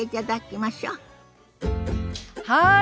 はい。